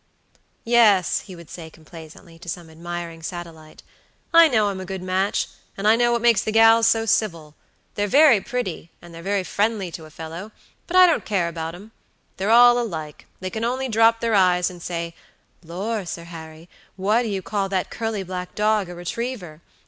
"Yes," he would say complacently to some admiring satellite, "I know I'm a good match, and I know what makes the gals so civil. They're very pretty, and they're very friendly to a fellow; but I don't care about 'em. They're all alikethey can only drop their eyes and say, 'Lor', Sir Harry, why do you call that curly black dog a retriever?'